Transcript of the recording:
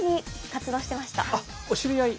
あっお知り合い？